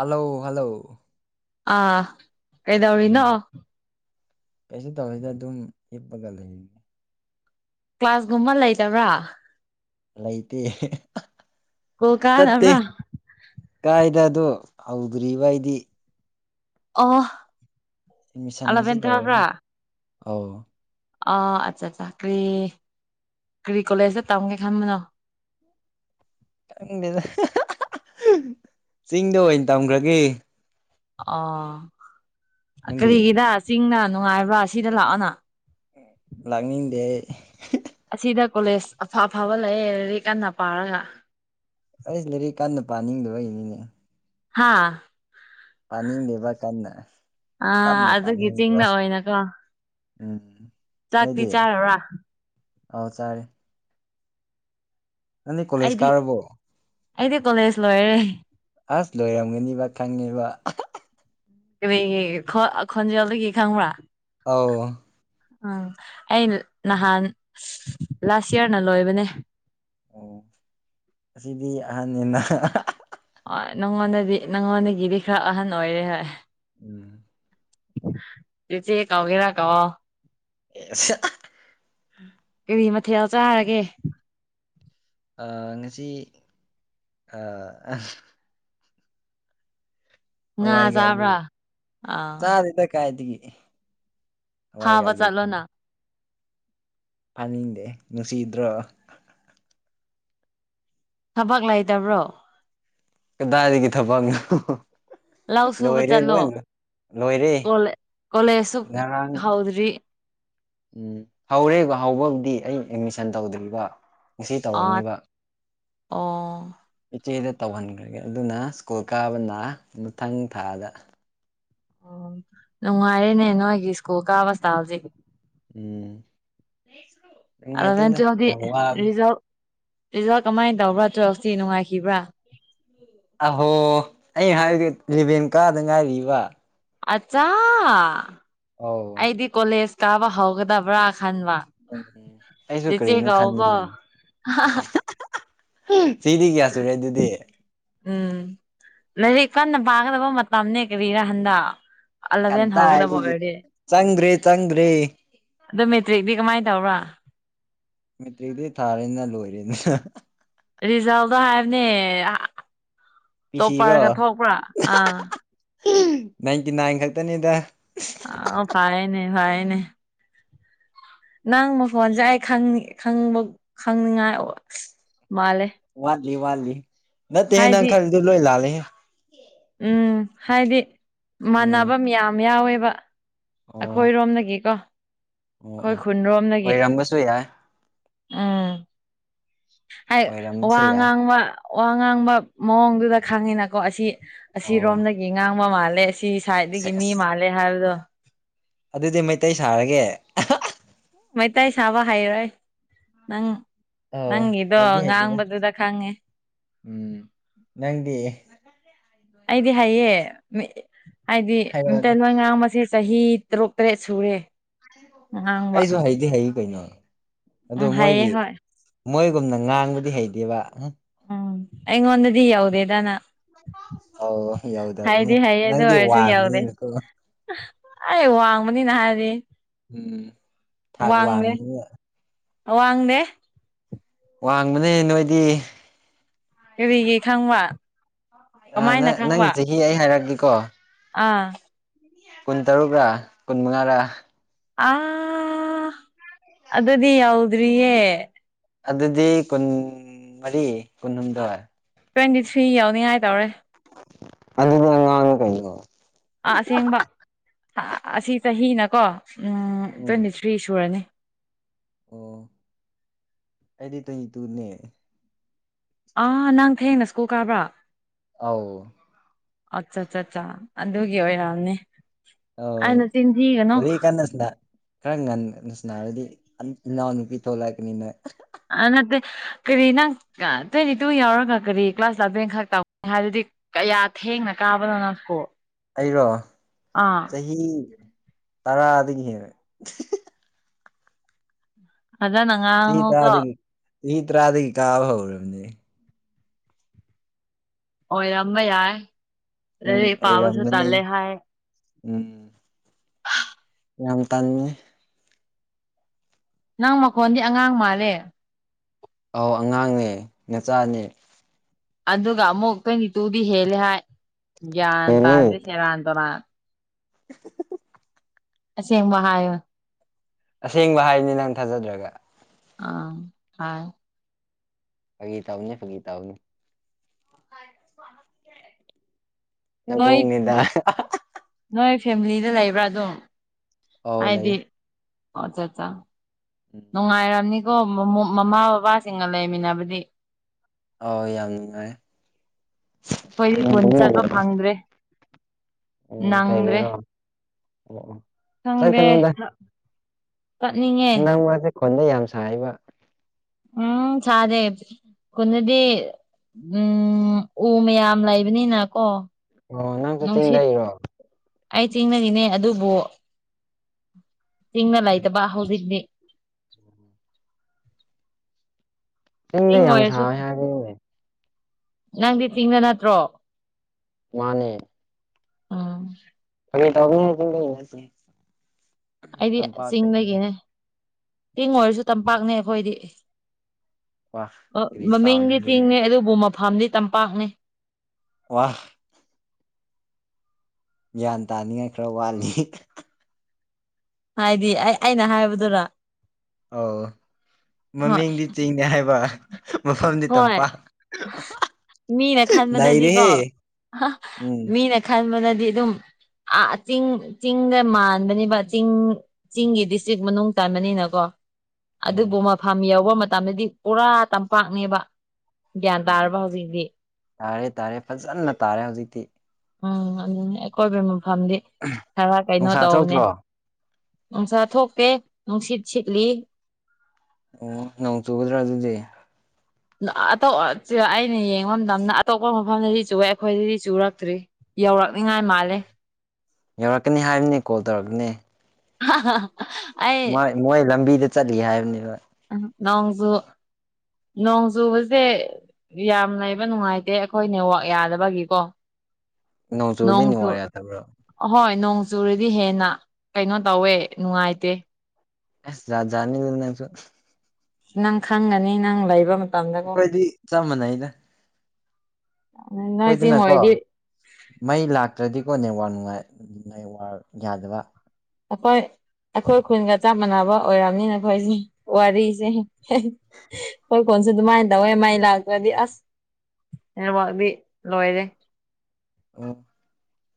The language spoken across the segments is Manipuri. ꯑꯜꯂꯣ ꯍꯜꯂꯣ꯫ ꯑꯥꯑ ꯎꯝ ꯀꯩꯗꯧꯔꯤꯅꯣ? ꯀꯩꯁꯨ ꯇꯧꯗꯦ ꯗꯥ ꯑꯗꯨꯝ ꯍꯞꯄꯒ ꯂꯩꯕꯅꯤ ꯀ꯭ꯂꯥꯁꯀꯨꯝꯕ ꯂꯩꯇꯕ꯭ꯔꯥ? ꯂꯩꯇꯦ ꯁ꯭ꯀꯨꯜ ꯆꯠꯇꯦ꯫ ꯀꯥꯗꯕ꯭ꯔꯥ ꯀꯥꯏ ꯗꯥ ꯑꯗꫭ ꯍꯧꯗ꯭ꯔꯤꯕꯥ ꯑꯩꯗꯤ ꯑꯣꯍꯍ ꯑꯦꯠꯃꯤꯁꯟ ꯉꯁꯤ ꯇꯧꯔꯨꯕꯅꯤ ꯑꯧ ꯑꯥ ꯑꯠꯆꯥ ꯑꯠꯆꯥ ꯀ꯭ꯔꯤ ꯀꯔꯤ ꯀꯣꯂꯦꯖꯇꯥ ꯇꯝꯒꯦ ꯈꯟꯕꯅꯣ꯫ ꯪꯈꯪꯗꯦꯗꯥ ꯆꯤꯡꯗ ꯑꯣꯏꯅ ꯇꯝꯈ꯭ꯔꯒꯦ꯫ ꯑꯣ ꯅꯪꯗꯤ ꯀꯔꯤꯒꯤꯔꯥ ꯆꯤꯡꯅ ꯅꯨꯡꯉꯥꯏꯕ꯭ꯔꯥ ꯁꯤꯗ ꯂꯥꯛꯑꯣ ꯅꯪ ꯂꯥꯛꯅꯤꯡꯗꯦ ꯑꯩ ꯑꯁꯤꯗ ꯀꯣꯂꯦꯖ ꯑꯐ ꯑꯐꯕ ꯂꯩꯌꯦ ꯔꯥꯔꯤꯛ ꯀꯟꯅ ꯄꯥꯔꯒ ꯑꯩ ꯂꯥꯏꯔꯤꯛ ꯀꯥꯟꯅꯥ ꯄꯥꯅꯤꯡꯗꯕꯒꯤꯅꯤꯅꯦ꯫ ꯍꯥꯥꯍ ꯄꯥꯅꯤꯡ ꯗꯦ ꯕꯥ ꯀꯥꯟꯅ ꯑꯥꯑ ꯑꯗꯨꯒꯤ ꯆꯤꯡꯗꯥ ꯑꯣꯏꯅꯀꯣ꯫ ꯎꯝ ꯍꯨꯛ ꯆꯥꯛꯇꯤ ꯆꯥ꯭ꯔꯕꯥ ꯑꯧ ꯆꯥꯔꯦ꯫ ꯅꯪꯗꯤ ꯀꯣꯔ°ꯖ ꯑꯩꯗꯤ ꯀꯥꯔꯕꫭ ꯑꯩꯗꯤ ꯀꯣꯂꯦꯖ ꯂꯣꯏꯈꯔꯦ꯫ ꯑꯥꯁ ꯂꯣꯏꯔꯝꯒꯅꯤꯕꯥ ꯈꯪꯉꯕꯥ ꯀꯔꯤꯒꯤ ꯈꯟꯖꯦꯜꯗꯗꯒꯤ ꯈꯪꯕꯔꯥ꯫ ꯑꯧꯧ ꯎꯝ ꯑꯩ ꯅꯍꯥꯟ ꯂꯥꯁ ꯏꯌꯔ ꯂꯣꯏꯕꯅꯦ꯫ ꯑꯣ ꯑꯁꯤꯗꯤ ꯑꯍꯥꯟꯅꯤꯅꯥ,,,, ꯍꫭꯏ ꯅꯪꯉꯣꯟꯗꯗꯤ ꯅꯪꯉꯣꯟꯗꯒꯤꯗꯤ ꯈꯔ ꯑꯍꯟ ꯑꯣꯏꯔꯦ ꯍꯣꯏ꯫ ꯎꯝꯝ ꯇꯆꯦ ꯀꯒꯦꯔꯥ ꯀꯧꯑꫭ ꯑ° [unintelligible] ꯀꯔꯤ ꯃꯊꯦꯟ ꯆꯥꯔꯒꯦ? ꯑꯥ ꯉꯁꯤ ꯑꯥ ꯉꯥ ꯍꯋꯥꯏꯒꯥ ꯑꯔꯨ ꯆꯥꯕ꯭ꯔꯥ ꯒꯥ ꯑꯥ ꯆꯥꯗꯦꯗ ꯀꯥꯏꯗꯒꯤ꯫ ꯍꯥꯋꯏꯒꯥ ꯐꯥꯕ ꯑꯔꯨꯒ ꯆꯠꯂꯣꯅ ꯇꯥꯅꯤꯡꯗꯦ ꯍꯦ ꯅꯨꯡꯁꯤꯗ꯭ꯔꯣ ꯊꯕꯛ ꯂꯩꯇꯕ꯭ꯔꯣ ꯅꯪ꯫ ꯀꯗꯥꯏꯗꯒꯤ ꯊꯕꯛꯅꯣ? ꯂꯧ ꯁꯨꯕ ꯂꯣꯏꯔꯦ ꯆꯠꯂꯣ ꯂꯣꯏꯅꯥ꯫ ꯂꯣꯏꯔꯦ ꯀꯣꯂꯦ ꯀꯣꯂꯦꯖꯁꯨ ꯉꯔꯥꯡ ꯍꯧꯗ꯭ꯔꯤ ꯎꯝ ꯍꯧꯔꯦꯕ ꯍꯧꯕꯕꯨꯗꯤ ꯑꯩ ꯑꯦꯠꯃꯤꯁꯟ ꯇꯧꯗ꯭ꯔꯤꯕ ꯉꯁꯤ ꯑꯥ ꯇꯧꯔꯅꯤꯕ ꯑꯣ ꯏꯆꯦꯗ ꯇꯧꯍꯟꯈ꯭ꯔꯒꯦ ꯑꯗꯨꯅ ꯁ꯭ꯀꯨꯜ ꯀꯥꯕꯅ ꯃꯊꯪ ꯊꯥꯗ ꯑꯣ ꯅꯨꯡꯉꯥꯏꯔꯦꯅꯦ ꯅꯣꯏꯒꯤ ꯁ꯭ꯀꯨꯜ ꯀꯥꯕ ꯁꯇꯥꯏꯜ ꯖꯤ ꯎꯝ ꯑꯂꯕꯦꯟ ꯅꯨꯡꯉꯥꯏꯇꯦꯗ ꯇꯨꯋꯦꯜꯄꯗꯤ ꯌꯥꯝ ꯋꯥꯕꯅꯦ ꯔꯤꯖꯜ ꯔꯤꯖꯜ ꯀꯃꯥꯏꯅ ꯇꯧꯕ꯭ꯔꯥ ꯇꯨꯋꯜꯞꯇꯤ ꯅꯨꯡꯉꯥꯏꯈꯤꯕ꯭ꯔꯥ ꯑꯍꯣ ꯑꯩ ꯍꯥꯏꯗꯤ ꯏꯂꯤꯕꯦꯟ ꯀꯥꯗ ꯉꯥꯏꯔꯤꯕ ꯑꯠꯆꯥ ꯑꯧ ꯑꯩꯗꯤ ꯀꯣꯂꯦꯖ ꯀꯥꯕ ꯍꯧꯒꯗꯕ꯭ꯔꯥ ꯈꯟꯕ ꯑꯩꯁꯨ ꯆꯦꯆꯦ ꯀꯔꯤꯅꯣ ꯀꯧꯀꯣ ꯈꯟꯕꯅꯤ ꯆꯍꯤꯗꯤ ꯀꯌꯥ ꯁꯨꯔꯦ ꯑꯗꯨꯗꯤ ꯎꯝ ꯂꯥꯏꯔꯤꯛ ꯀꯟꯅ ꯄꯥꯒꯗꯕ ꯃꯇꯝꯅꯦ ꯀꯔꯤꯔꯥ ꯍꯟꯗꯛ ꯑꯂꯚꯦꯟ ꯍꯧꯒꯗꯕ ꯀꯗꯥꯏꯗꯒꯤ ꯑꯣꯏꯔꯗꯤ ꯆꯪꯗ꯭ꯔ‌ꯦ ꯆꯪꯗ꯭ꯔꯦ ꯑꯗꯣ ꯃꯦꯇ꯭ꯔꯤꯛꯗꯤ ꯀꯃꯥꯏꯅ ꯇꯧꯕ꯭ꯔ ꯃꯦꯇ꯭ꯔꯤꯛꯇꯤ ꯊꯥꯔꯦꯅ ꯂꯣꯏꯔꯦꯅ ꯔꯤꯖꯥꯜꯗꯣ ꯍꯥꯏꯕꯅꯦ ꯇꯣꯞꯄꯔꯒ ꯄꯤꯁꯤꯔꯣ ꯊꯣꯛꯄ꯭ꯔꯥ ꯑꯥ ꯅꯥꯏꯟꯇꯤ ꯅꯥꯏꯟ ꯈꯛꯇꯅꯤꯗ ꯑ ꯐꯥꯏꯅꯦ ꯐꯥꯏꯅꯦ ꯅꯪ ꯃꯈꯣꯟꯁꯦ ꯑꯩ ꯈꯪꯅꯤ ꯈꯪꯕ ꯈꯪꯅꯤꯡꯉꯥꯏ ꯑꯁ ꯃꯥꯜꯂꯦ ꯋꯥꯠꯂꯤ ꯋꯥꯠꯂꯤ ꯅꯠꯇꯦꯍꯦ ꯅꯪ ꯍꯥꯏꯗꯤ ꯈꯜꯂꯤꯗꯣ ꯂꯣꯏ ꯂꯥꯟꯂꯦꯍꯦ ꯎꯝ ꯍꯥꯏꯗꯤ ꯎꯝ ꯃꯥꯟꯅꯕ ꯃꯌꯥꯝ ꯌꯥꯎꯋꯦꯕ ꯑꯣ ꯑꯩꯈꯣꯏꯔꯣꯝꯗꯒꯤꯀꯣ ꯑꯣ ꯑꯩꯈꯣꯏ ꯑꯣ ꯈꯨꯟꯔꯣꯝꯗꯒꯤ ꯑꯣꯏꯔꯝꯕꯁꯨ ꯌꯥꯏ ꯎꯝ ꯍꯥꯏ ꯋꯥ ꯑꯣꯏꯔꯝꯕꯁꯨ ꯌꯥꯏ ꯉꯥꯡꯕ ꯋꯥ ꯉꯥꯡꯕ ꯃꯑꯣꯡꯗꯨꯗ ꯈꯪꯉꯤꯅꯀꯣ ꯑꯁꯤ ꯑꯣ ꯑꯁꯤꯔꯣꯝꯗꯒꯤ ꯉꯥꯡꯕ ꯃꯥꯜꯂꯦ ꯑꯁꯤ ꯁꯥꯏꯠꯗꯒꯤ ꯃꯤ ꯁꯦꯁ ꯃꯥꯜꯂꯦ ꯍꯥꯏꯕꯗꯣ ꯑꯗꯨꯗꯤ ꯃꯩꯇꯩ ꯁꯥꯔꯒꯦ ꯃꯩꯇꯩ ꯁꯥꯕ ꯍꯩꯔꯣꯏ ꯅꯪ ꯑꯧ ꯅꯪꯒꯤꯗꯣ ꯍꯩꯗꯤ ꯍꯩꯇꯦꯗ ꯉꯥꯡꯕꯗꯨꯗ ꯈꯪꯉꯦ ꯎꯝ ꯅꯪꯗꯤ ꯑꯩꯗꯤ ꯍꯩꯌꯦ ꯃꯤ ꯍꯥꯏꯗꯤ ꯍꯥꯏꯔꯛꯑꯣꯅꯦ ꯃꯩꯇꯩ ꯂꯣꯏ ꯉꯥꯡꯕꯁꯤ ꯆꯍꯤ ꯇꯔꯨꯛ ꯇꯔꯦꯠ ꯁꯨꯔꯦ ꯉꯥꯡꯕ ꯑꯩꯁꯨ ꯍꯩꯗꯤ ꯍꯩ ꯀꯩꯅꯣ ꯑꯗꯨ ꯎꯝ ꯍꯩꯌꯦ ꯃꯣꯏꯒꯤ ꯍꯣꯏ ꯃꯣꯏꯒꯨꯝꯅ ꯉꯥꯡꯕꯗꯤ ꯍꯩꯇꯦꯕ ꯎꯝ ꯑꯩꯉꯣꯟꯗꯗꯤ ꯌꯧꯗꯦꯗ ꯅꯪ ꯑꯧ ꯌꯧꯗꯕꯅꯦ ꯍꯩꯗꯤ ꯍꯩꯌꯦ ꯑꯗꯨ ꯅꯪꯗꯤ ꯑꯣꯏꯔꯁꯨ ꯌꯧꯗꯦ ꯋꯥꯡꯕꯅꯤꯅꯀꯣ ꯑꯩ ꯋꯥꯡꯕꯅꯤꯅ ꯍꯥꯏꯔꯤ ꯎꯝ ꯊꯥꯛ ꯋꯥꯡꯕꯅꯤꯅ ꯑꯋꯥꯡꯗꯦ ꯋꯥꯡꯕꯅꯦ ꯅꯣꯏꯗꯤ ꯀꯔꯤꯒꯤ ꯈꯪꯕ ꯑ ꯅꯥ ꯀꯃꯥꯏꯅ ꯅꯪꯒꯤ ꯈꯪꯕ ꯆꯍꯤ ꯑꯩ ꯍꯥꯏꯔꯛꯀꯦꯀꯣ ꯑꯥ ꯀꯨꯟ ꯇꯔꯨꯛꯔ ꯀꯨꯟ ꯃꯉꯥꯔꯥ ꯑꯥ ꯑꯗꯨꯗꯤ ꯌꯧꯗ꯭ꯔꯤꯌꯦ ꯑꯗꯨꯗꯤ ꯀꯨꯟ ꯃꯔꯤ ꯀꯨꯟꯍꯨꯝꯗꯣꯏ ꯇ꯭ꯋꯦꯟꯇꯤꯊ꯭ꯔꯤ ꯌꯧꯅꯤꯡꯉꯥꯏ ꯇꯧꯔꯦ ꯑꯗꯨꯗꯤ ꯑꯉꯥꯡꯅꯦ ꯀꯩꯅꯣ ꯑꯥ ꯑꯁꯦꯡꯕ ꯑꯁꯤ ꯆꯍꯤꯅꯀꯣ ꯑꯥ ꯎꯝ ꯇ꯭ꯋꯦꯟꯇꯤꯊ꯭ꯔꯤ ꯁꯨꯔꯅꯤ ꯑꯣ ꯑꯩꯗꯤ ꯇ꯭ꯋꯦꯟꯇꯤ ꯇꯨꯅꯦ ꯑꯥ ꯅꯪ ꯊꯦꯡꯅ ꯁ꯭ꯀꯨꯜ ꯀꯥꯕ꯭ꯔꯥ ꯑꯥꯎ ꯑꯠꯆꯥ ꯆꯥ ꯆꯥ ꯑꯗꯨꯒꯤ ꯑꯣꯏꯔꯝꯅꯤ ꯑꯣ ꯑꯩꯅ ꯆꯤꯟꯊꯤꯒꯅꯨ ꯋꯥꯔꯤ ꯀꯟꯅ ꯁꯥꯟꯅ ꯈꯔ ꯉꯟꯅ ꯁꯥꯟꯅꯔꯗꯤ ꯅꯅꯥꯎ ꯅꯨꯄꯤ ꯊꯣꯛꯂꯛꯀꯅꯤ ꯅꯣꯏ ꯑꯥ ꯅꯠꯇꯦ ꯀꯔꯤ ꯅꯪ ꯇ꯭ꯋꯦꯟꯇꯤ ꯇꯨ ꯌꯧꯔꯒ ꯀꯔꯤ ꯀ꯭ꯂꯥꯁ ꯂꯥꯕꯦꯜ ꯈꯥꯛ [unintelligible] ꯍꯥꯏꯕꯗꯤ ꯀꯌꯥ ꯊꯦꯡꯅ ꯀꯥꯕꯅꯣ ꯅꯪꯕꯣ ꯑꯩꯔꯣ ꯑꯥ ꯆꯍꯤ ꯇꯔꯥꯗꯒꯤ ꯍꯦꯟꯅ [unintelligible] ꯐꯖꯅ ꯉꯥꯡ ꯆꯍꯤ ꯇꯔꯥꯗꯒꯤ ꯆꯍꯤ ꯇꯔꯥꯗꯒꯤ ꯀꯥꯕ ꯍꯧꯔꯕꯅꯦ ꯑꯣꯏꯔꯝꯕ ꯌꯥꯏ ꯎꯝ ꯂꯥꯏꯔꯤꯛ ꯄꯥꯕꯁꯨ ꯇꯜꯂꯦ ꯑꯣꯏꯔꯝꯃꯅꯤ ꯍꯥꯏ ꯎꯝ ꯌꯥꯝ ꯇꯟꯕꯅꯦ ꯅꯪ ꯃꯈꯣꯟꯗꯤ ꯑꯉꯥꯡ ꯃꯥꯜꯂꯦ ꯑꯧ ꯑꯉꯥꯡꯅꯦ ꯅꯆꯥꯅꯦ ꯑꯗꯨꯒ ꯑꯃꯨꯛ ꯇ꯭ꯋꯦꯇꯤꯇꯨꯗꯤ ꯍꯦꯜꯂ ꯍꯥꯏ ꯒ꯭ꯌꯥꯟ ꯇꯥꯗ꯭ꯔꯦ ꯀꯩꯅꯣ ꯁꯦꯔꯥꯟ ꯇꯨꯔꯥꯟ [unintelligible] ꯑꯁꯦꯡꯕ ꯍꯥꯏꯌꯨ ꯑꯁꯦꯡꯕ ꯍꯥꯏꯕꯅꯤ ꯅꯪ ꯊꯥꯖꯗ꯭ꯔꯒ ꯑꯥ ꯁꯥꯏ ꯐꯥꯒꯤ ꯇꯧꯕꯅꯤ ꯐꯥꯒꯤ ꯇꯧꯕꯅꯤ ꯅꯣꯏ ꯅꯕꯨꯡꯅꯤꯗ ꯅꯣꯏ ꯐꯦꯃꯤꯂꯤꯗ ꯂꯩꯕ꯭ꯔꯥ ꯑꯗꯨꯝ ꯑꯧ ꯍꯥꯏꯗꯤ ꯂꯩ ꯑꯣꯆꯥ ꯑꯠꯆꯥ ꯎꯝ ꯅꯨꯡꯉꯥꯏꯔꯝꯅꯤꯀꯣ ꯃꯃꯥ ꯕꯕꯥꯁꯤꯡꯒ ꯂꯩꯃꯤꯟꯅꯕꯗꯤ ꯑꯧ ꯌꯥꯝ ꯅꯨꯡꯉꯥꯏ ꯑꯩꯈꯣꯏꯗꯤ ꯈꯨꯟ ꯆꯠꯄ ꯐꯪꯗ꯭ꯔꯦ ꯎꯝ ꯅꯪꯗ꯭ꯔꯦ ꯀꯩꯒꯤꯔꯣ ꯑꯣ ꯑꯣ ꯈꯪꯗꯦ ꯆꯠꯀꯅꯨꯗ ꯆꯠꯅꯤꯡꯉꯦ ꯅꯪ ꯃꯥꯁꯦ ꯈꯨꯟꯗ ꯌꯥꯝ ꯁꯥꯏꯕ ꯎꯝ ꯁꯥꯗꯦ ꯈꯨꯟꯗꯗꯤ ꯎꯝ ꯎ ꯃꯌꯥꯝ ꯂꯩꯕꯅꯤꯅ ꯀꯣ ꯑꯣ ꯅꯪꯁꯨ ꯆꯤꯡꯗꯩꯔꯣ ꯑꯩ ꯆꯤꯡꯗꯒꯤꯅꯦ ꯑꯗꯨꯕꯨ ꯆꯤꯡꯗ ꯂꯩꯇꯕ ꯍꯧꯖꯤꯛꯇꯤ ꯆꯤꯡꯗ ꯆꯤꯡ ꯌꯥꯝ ꯑꯣꯏꯔꯁꯨ ꯁꯥꯏꯌꯦ ꯍꯥꯏꯕꯅꯤꯅꯦ ꯅꯪꯗꯤ ꯆꯤꯡꯗ ꯅꯠꯇ꯭ꯔꯣ ꯃꯥꯅꯦ ꯎꯝ ꯐꯥꯒꯤ ꯇꯧꯕꯅꯦ ꯆꯤꯡꯗꯒꯤ ꯅꯠꯇꯦ ꯑꯩꯗꯤ ꯇꯝꯄꯥꯛꯇꯩꯅꯦ ꯆꯤꯡꯗꯒꯤꯅꯦ ꯆꯤꯡ ꯑꯣꯏꯔꯁꯨ ꯇꯝꯄꯥꯛꯅꯦ ꯑꯩꯈꯣꯏꯗꯤ ꯋꯥ ꯀꯔꯤ ꯇꯥꯎꯟ ꯃꯃꯤꯡꯗꯤ ꯆꯤꯡꯅꯦ ꯑꯗꯨꯕꯨ ꯃꯐꯝꯗꯤ ꯇꯝꯄꯥꯛꯅꯦ ꯋꯥ ꯒ꯭ꯌꯥꯟ ꯇꯥꯅꯤꯡꯉꯥꯏ ꯈꯔ ꯋꯥꯠꯂꯤ ꯍꯥꯏꯗꯤ ꯑꯩ ꯑꯩꯅ ꯍꯥꯏꯕꯗꯨꯔ ꯑꯧ ꯍꯣꯏ ꯃꯃꯤꯡꯗꯤ ꯆꯤꯡꯅꯦ ꯍꯥꯏꯕ ꯃꯐꯝꯗꯤ ꯍꯣꯏ ꯇꯝꯄꯥꯛ ꯃꯤꯅ ꯈꯟꯕꯗꯗꯤꯀꯣ ꯅꯩꯔꯦꯍꯦ ꯎꯝ [unintelligible] ꯃꯤꯅ ꯈꯟꯕꯅꯗꯤ ꯑꯗꯨꯝ ꯑ ꯆꯤꯡ ꯆꯤꯡꯗ ꯃꯥꯟꯕꯅꯦꯕ ꯆꯤꯡ ꯆꯤꯡꯒꯤ ꯎꯝ ꯗꯤꯁꯇ꯭ꯔꯤꯛ ꯃꯅꯨꯡ ꯆꯟꯕꯅꯤꯅꯀꯣ ꯑꯗꯨꯕꯨ ꯑꯣ ꯃꯐꯝ ꯌꯥꯎꯕ ꯇꯝꯗꯗꯤ ꯄꯨꯔꯥ ꯇꯝꯄꯥꯛꯅꯦꯕ ꯒ꯭ꯌꯥꯟ ꯎꯝ ꯇꯥꯔꯕ ꯍꯧꯖꯤꯛꯇꯤ ꯇꯥꯔꯦ ꯇꯥꯔꯦ ꯐꯖꯅ ꯇꯥꯔꯦ ꯍꯧꯖꯤꯛꯇꯤ ꯎꯝ ꯑꯗꯨꯅꯦ ꯑꯩꯈꯣꯏꯒꯤ ꯃꯐꯝꯗꯤ ꯈꯔ ꯀꯩꯅꯣ ꯅꯨꯡꯁꯥ ꯇꯧꯕꯅꯦ ꯊꯣꯛꯇ꯭ꯔꯣ ꯅꯨꯡꯁꯥ ꯊꯣꯛꯇꯦ ꯅꯨꯡꯁꯤꯠ ꯁꯤꯠꯂꯤ ꯑꯣ ꯅꯣꯡ ꯆꯨꯒꯗ꯭ꯔꯥ ꯑꯗꯨꯗꯤ ꯑꯩꯅ ꯌꯦꯡꯕ ꯃꯇꯝꯗ ꯑꯇꯣꯞꯄ ꯃꯐꯝꯗꯗꯤ ꯆꯨꯦ ꯑꯩꯈꯣꯏꯗꯗꯤ ꯆꯨꯔꯛꯇ꯭ꯔꯤ ꯌꯧꯔꯛꯅꯤꯉꯥꯏ ꯃꯥꯜꯂꯦ ꯌꯧꯔꯛꯀꯅꯤ ꯍꯥꯏꯕꯅꯤ ꯀꯣꯜ ꯇꯧꯔꯛꯀꯅꯤ ꯍ ꯍ ꯃꯣꯏ ꯂꯝꯕꯤꯗ ꯆꯠꯂꯤ ꯍꯥꯏꯕꯅꯦꯕ ꯅꯣꯡꯖꯨ ꯅꯣꯡꯖꯨꯕꯁꯦ ꯌꯥꯝ ꯂꯩꯕ ꯅꯨꯡꯉꯥꯏꯇꯦ ꯑꯩꯈꯣꯏ ꯅꯦꯋꯥꯛ ꯌꯥꯗꯕꯒꯤꯀꯣ ꯅꯣꯡꯖꯨꯔꯗꯤꯅꯤꯉꯔꯦ ꯇꯕ꯭ꯔꯣ ꯑꯍꯣꯏ ꯅꯣꯡ ꯆꯨꯨꯔꯗꯤ ꯍꯦꯟꯅ ꯀꯩꯅꯣ ꯇꯧꯋꯦ ꯅꯨꯡꯉꯥꯏꯇꯦ ꯑꯦꯖꯔꯅꯤ ꯅꯁꯨꯣ ꯅꯪ ꯈꯪꯒꯅꯤ ꯅꯪ ꯂꯩꯕ ꯃꯇꯝꯗꯀꯣ ꯑꯩꯈꯣꯏꯗꯤ ꯆꯞ ꯃꯥꯟꯅꯩ ꯑꯩꯅ ꯅꯣꯏ ꯆꯤꯡ ꯍꯣꯏꯗꯅꯀꯣ ꯑꯣꯏꯔꯗꯤ ꯃꯩ ꯂꯥꯛꯇ꯭ꯔꯗꯤꯀꯣꯅꯦ ꯋꯥꯔ ꯅꯨꯡꯉꯥꯏ ꯃꯩ ꯋꯥꯔ ꯌꯥꯗꯕ ꯑꯈꯣꯏ ꯑꯩꯈꯣꯏ ꯈꯨꯟꯒ ꯆꯞ ꯃꯥꯟꯅꯕ ꯑꯣꯏꯔꯕꯝꯅꯤꯅ ꯑꯩꯈꯣꯏꯁꯦ ꯋꯥꯔꯤꯁꯦ ꯍꯣꯏ ꯀꯣꯟꯁꯨ ꯑꯗꯨꯃꯥꯏꯅ ꯇꯧꯋꯦ ꯃꯥꯏ ꯂꯥꯛꯇ꯭ꯔꯗꯤ ꯑꯁ ꯅꯦꯠꯋꯥꯛꯗꯤ ꯂꯣꯏꯔꯦ ꯑꯣ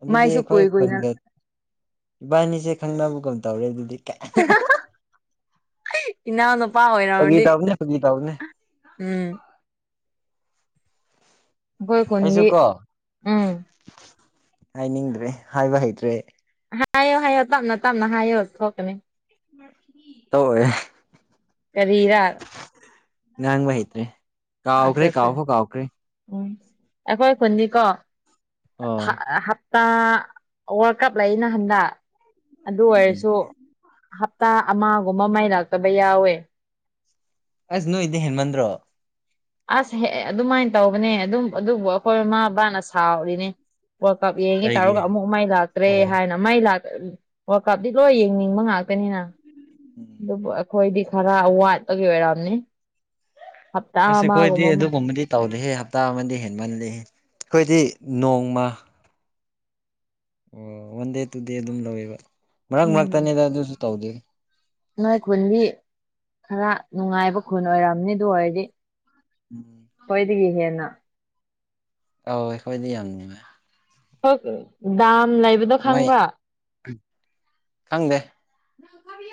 ꯑꯗꯨ ꯃꯥꯏꯁꯨ ꯑꯗꯨꯗꯤꯈꯣꯏ ꯀꯨꯏ ꯀꯨꯏꯅ ꯐꯔꯗ ꯏꯕꯥꯅꯤꯁꯦ ꯈꯪꯅꯕꯒꯝ ꯇꯧꯔꯦ ꯑꯗꯨꯗꯤ ꯏꯅꯥ ꯍꯅꯄꯥꯥ ꯐꯥꯒꯤ ꯑꯣꯏꯔꯗꯤ ꯇꯧꯕꯅꯦ ꯐꯥꯒꯤ ꯇꯧꯕꯅꯦ ꯎꯝ ꯑꯩꯈꯣꯏ ꯑꯩꯁꯨ ꯈꯨꯟꯗꯤ ꯀꯣ ꯎꯝ ꯍꯥꯏꯅꯤꯡꯗ꯭ꯔꯦ ꯍꯥꯏꯕ ꯍꯩꯇ꯭ꯔꯦ ꯍꯥꯏꯌꯣ ꯍꯥꯏꯌꯣ ꯇꯞꯅ ꯇꯞꯅ ꯍꯥꯏꯌꯣ ꯊꯣꯛꯀꯅꯤ ꯃꯊ ꯇꯋꯏꯦ ꯀꯔꯤꯔꯥ ꯉꯪ ꯑꯩꯇꯔꯤ ꯑꯆꯥ ꯑꯠ ꯎꯝ ꯑꯩꯈꯣꯏ ꯐꯣꯟꯅꯤꯀꯣ ꯑꯣ ꯍꯞꯇꯥ ꯋꯥꯔꯜ ꯀꯞ ꯂꯩ ꯅ ꯍꯟꯗ ꯑꯗꯨ ꯎꯝ ꯑꯣꯏꯔꯁꯨ ꯍꯞꯇꯥ ꯑꯃꯒꯨꯝꯕ ꯃꯥꯏꯔꯥꯛꯛꯇꯕ ꯌꯥꯎꯋꯦ ꯑꯁ ꯅꯣꯏ ꯏꯗꯤ ꯍꯦꯟꯃꯟꯗ꯭ꯔꯣ ꯑꯁ ꯍꯦꯛ ꯑꯗꯨꯃꯥꯏꯅ ꯇꯧꯕꯅꯦ ꯑꯗꯨꯝ ꯑꯗꯨꯕꯨ ꯑꯩꯈꯣꯏ ꯏꯃꯥ ꯕꯥꯅ ꯁꯥꯎꯔꯤꯅꯦ ꯋꯥꯔꯜ ꯀꯞ ꯌꯦꯡꯉꯤ ꯑꯩꯒꯤ ꯇꯥꯔꯒ ꯑꯃꯨꯛ ꯃꯥꯏ ꯂꯥꯛꯇ꯭ꯔꯦ ꯑꯣ ꯍꯥꯏꯅ ꯃꯥꯏꯥꯛ ꯋꯥꯔꯜ ꯀꯞꯇꯤ ꯂꯣꯏ ꯌꯦꯡꯅꯤꯡꯕ ꯉꯥꯛꯇꯅꯤꯅ ꯎꯝ ꯑꯗꯨꯕꯨ ꯑꯩꯈꯣꯏꯗꯤ ꯈꯔ ꯋꯥꯠꯄꯒꯤ ꯑꯣꯏꯔꯝꯅꯤ ꯍꯞꯇꯥ ꯑꯃꯒꯨꯝꯕ ꯑꯃ ꯇꯧꯔꯍꯦ ꯍꯞꯇꯥ ꯑꯃꯗꯤꯗꯤ ꯍꯦꯟꯃꯜꯜꯂꯤ ꯑꯩꯈꯣꯏꯗꯤ ꯅꯣꯡꯃ ꯑꯣ ꯋꯥꯟ ꯗꯦ ꯇꯨ ꯗꯦ ꯑꯗꯨꯝ ꯂꯧꯋꯦꯕ ꯃꯔꯛ ꯎꯝ ꯃꯔꯛꯇꯅꯤꯗ ꯑꯗꯨꯁꯨ ꯇꯧꯗꯣꯏ ꯅꯣꯏ ꯈꯨꯟꯗꯤ ꯈꯔ ꯅꯨꯡꯉꯥꯏꯕ ꯈꯨꯟ ꯑꯣꯏꯔꯝꯅꯤ ꯑꯗꯨ ꯑꯣꯏꯔꯗꯤ ꯎꯝ ꯍꯣꯏꯗꯗꯒꯤ ꯍꯦꯟꯅ ꯑꯧ ꯑꯩꯈꯣꯏꯗꯤ ꯌꯥꯝ ꯅꯨꯡꯉꯥꯏ ꯍ ꯗꯝ ꯂꯥꯏꯕ ꯉꯥꯏ ꯊꯪꯗꯦ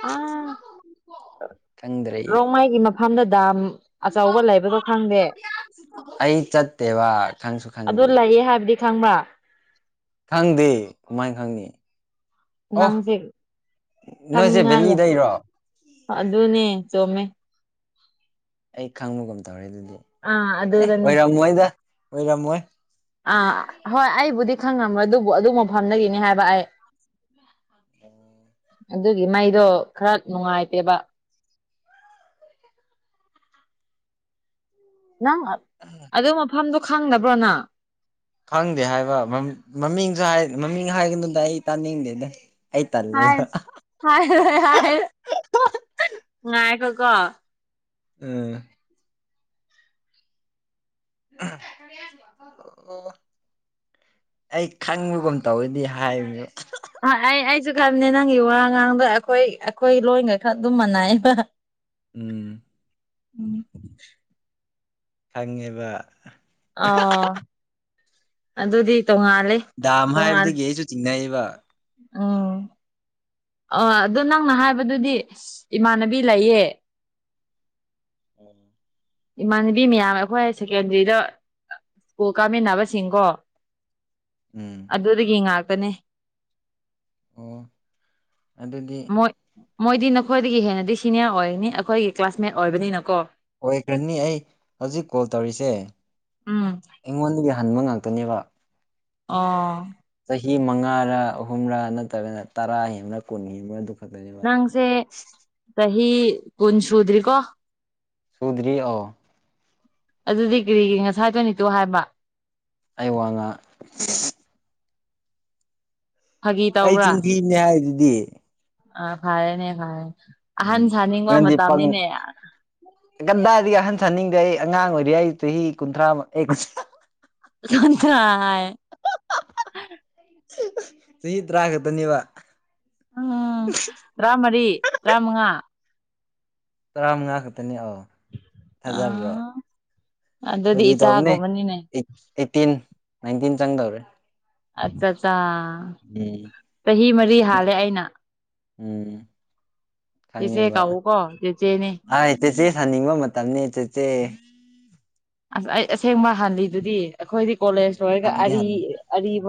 ꯑ ꯈꯪꯗ꯭ꯔꯦ ꯔꯣꯡꯃꯥꯏꯒꯤ ꯃꯐꯝꯗ ꯗꯥꯝ ꯑꯆꯧꯕ ꯂꯩꯕꯗꯣ ꯈꯪꯗꯦ ꯑꯩ ꯆꯠꯇꯦꯕ ꯈꯪꯁꯨ ꯑꯗꯨ ꯈꯪꯗꯦ ꯂꯩꯌꯦ ꯍꯥꯏꯕꯗꯤ ꯊꯪꯕ ꯈꯪꯗꯦ ꯀꯃꯥꯏꯅ ꯈꯪꯅꯤ ꯑꯣ ꯅꯪꯁꯦ ꯅꯣꯏꯁꯦ ꯈꯪꯅꯤꯡꯉꯥꯏ ꯌꯥꯝ ꯕꯦꯜꯂꯤꯗꯔꯣ ꯑꯗꯨꯅꯦ ꯆꯣꯃꯦ ꯑꯩ ꯈꯪꯕꯒꯨꯝ ꯇꯧꯔꯦ ꯑꯗꯨꯗꯤ ꯑꯥ ꯑꯦ ꯑꯗꯨꯗꯅꯦ ꯑꯣꯏꯔꯝꯃꯣꯏꯗ ꯑꯣꯏꯔꯝꯃꯣꯏ ꯑꯥ ꯍꯣꯏ ꯑꯩꯕꯨꯗꯤ ꯈꯪꯉꯝꯕ꯭ꯔꯥ ꯑꯗꯨꯕꯨ ꯑꯗꯨ ꯃꯐꯝꯗꯒꯤꯅꯤ ꯍꯥꯏꯕ ꯑꯩ ꯎꯝ [unintelligible] ꯑꯗꯨꯒꯤ ꯃꯩꯗꯣ ꯈꯔ ꯅꯨꯉꯥꯏꯇꯦꯕ ꯅꯪ ꯎꯝ ꯑꯗꯨ ꯃꯐꯝꯗꯣ ꯈꯪꯅꯕ꯭ꯔꯣꯅ ꯈꯪꯗꯦ ꯍꯥꯏꯕ ꯃꯃꯤꯡꯁꯨ ꯃꯃꯤꯡ ꯍꯥꯏꯒꯅꯨꯗ ꯑꯩ ꯇꯥꯅꯤꯡꯗꯦꯗ ꯑꯩ ꯇꯜꯂꯦꯕ ꯍ ꯍꯣꯏ ꯍꯥꯏ ꯉꯥꯏ ꯀꯣ ꯀꯣ ꯎꯝ ꯑꯣ ꯑꯩ ꯈꯪꯕꯒꯨꯝ ꯇꯧꯋꯦꯗꯤ ꯍꯥꯏꯕꯅꯦ ꯑꯩ ꯑꯩꯁꯨ ꯈꯪꯗꯦ [unintelligible] ꯅꯪꯒꯤ ꯋꯥ ꯉꯥꯡꯕ ꯑꯩꯈꯣꯏ ꯑꯩꯈꯣꯏ ꯂꯣꯏꯒ ꯈꯔ ꯑꯗꯨꯝ ꯃꯥꯟꯅꯩꯑꯦꯕ ꯎꯝ ꯎꯝ ꯈꯪꯉꯤꯕ ꯑꯣ ꯑꯗꯨꯗꯤ ꯇꯣꯡꯉꯥꯜꯂꯦ ꯗꯥꯝ ꯇꯣꯉꯥꯟ ꯍꯥꯏꯕꯗꯒꯤ ꯑꯩꯁꯨ ꯆꯤꯡꯅꯩꯕ ꯎꯝ ꯑ ꯑꯗꯣ ꯅꯪꯅ ꯍꯥꯏꯕꯗꯨꯗꯤ ꯏꯃꯥꯟꯅꯕꯤ ꯂꯩꯌꯦ ꯑꯣꯝ [unintelligible] ꯏꯃꯥꯟꯅꯕꯤ ꯃꯌꯥꯝ ꯑꯩꯈꯣꯏ ꯁꯦꯀꯦꯟꯗꯔꯤꯗ ꯎ ꯀꯥꯃꯤꯟꯅꯕꯁꯤꯡꯀꯣ ꯎꯝ ꯑꯗꯨꯗꯒꯤ ꯉꯥꯛꯇꯅꯦ ꯑꯣ ꯑꯗꯨꯗꯤ ꯃꯣꯏ ꯃꯣꯏꯗꯤ ꯅꯈꯣꯏꯗꯒꯤ ꯍꯦꯟꯅꯗꯤ ꯁꯤꯅꯤꯌꯔ ꯑꯣꯏꯔꯅꯤ ꯑꯩꯈꯣꯏꯒꯤ ꯀ꯭ꯂꯥꯁꯃꯦꯠ ꯑꯣꯏꯕꯅꯤꯅꯀꯣ ꯑꯣꯏꯒꯅꯤ ꯑꯩ ꯍꯧꯖꯤꯛ ꯀꯣꯜ ꯇꯧꯔꯤꯁꯦ ꯎꯝ ꯑꯩꯉꯣꯟꯗꯒꯤ ꯍꯟꯕ ꯉꯥꯛꯇꯅꯦꯕ ꯑꯥ ꯆꯍꯤ ꯃꯉꯥꯔꯥ ꯑꯍꯨꯝꯂꯥ ꯅꯠꯇ꯭ꯔꯒꯅ ꯇꯔꯥ ꯍꯦꯟꯕ꯭ꯔꯥ ꯀꯨꯟ ꯍꯦꯟꯕ꯭ꯔꯥ ꯑꯗꯨꯝ ꯅꯪꯁꯦ ꯆꯍꯤ ꯀꯨꯟ ꯁꯨꯗ꯭ꯔꯤꯀꯣ ꯁꯨꯗ꯭ꯔꯤꯑꯣ ꯑꯗꯨꯗꯤ ꯀꯔꯤꯒꯤ ꯉꯁꯥꯏ ꯇꯣꯏꯅ [unintelligible] ꯍꯥꯏꯕ ꯑꯩ ꯋꯥꯉꯥ ꯐꯥꯒꯤ ꯑꯩ ꯇꯧꯕ꯭ꯔꯥ ꯆꯤꯟꯊꯤꯕꯅꯦ ꯍꯥꯏꯗꯨꯗꯤ ꯑ ꯐꯔꯦꯅꯦ ꯐꯔꯦꯅꯦ ꯑꯍꯟ ꯎꯝ ꯁꯥꯅꯤꯡꯕ ꯅꯪꯗꯤ ꯄꯪ ꯃꯇꯝꯅꯤꯅꯦ ꯀꯗꯥꯏꯗꯒꯤ [unintelligible] ꯑꯍꯟ ꯁꯟꯅꯤꯡꯗꯦ ꯑꯩ ꯑꯉꯥꯡ ꯑꯣꯏꯔꯤ ꯑꯩ ꯆꯍꯤ ꯀꯨꯟꯊ꯭ꯔꯥꯃꯨꯛ ꯗꯣꯟ ꯀꯔꯥꯢ [unintelligible] ꯆꯍꯤ ꯇꯔꯥ ꯈꯛꯇꯅꯦꯕ ꯎꯝ ꯇꯔꯥꯃꯔꯤ ꯇꯔꯥꯃꯉꯥ ꯇꯔꯥꯃꯉꯥ ꯈꯛꯇꯅꯤ ꯑꯣ ꯊꯥꯖꯕ꯭ꯔꯣ ꯑꯥ ꯑꯗꯨꯗꯤ ꯐꯥꯒꯤ ꯇꯧꯕꯅꯦ ꯏꯆꯥꯒꯨꯝꯕꯅꯤꯅꯦ ꯑꯦꯠꯇꯤꯟ ꯅꯥꯏꯟꯇꯤꯟ ꯆꯪꯗꯧꯔꯦ ꯑꯠꯆꯥ ꯆꯥ ꯎꯝ ꯆꯍꯤ ꯃꯔꯤ ꯍꯥꯜꯂꯦ ꯑꯩꯅ ꯎꯝ ꯢꯆꯦ ꯀꯥꯎꯎ ꯀꯣ ꯆꯦꯆꯦꯅꯦ ꯑꯩꯥꯏ ꯆꯦꯆꯦ ꯁꯥꯅꯤꯡꯕ ꯃꯇꯝꯅꯤ ꯆꯦꯆꯦ ꯑꯁ ꯑꯩ ꯑꯁꯦꯡꯕ ꯍꯜꯂꯤꯗꯨꯗꯤ ꯑꯩꯈꯣꯏꯗꯤ ꯀꯣꯂꯦꯖ ꯂꯣꯏꯔꯒ ꯍꯪꯗꯤ ꯑꯔꯤ ꯍꯪ ꯑꯔꯤꯕ